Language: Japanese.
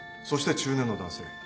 そして中年の男性。